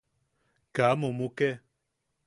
Kaa mumuke.